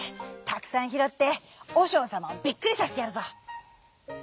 たくさんひろっておしょうさまをびっくりさせてやるぞ！」。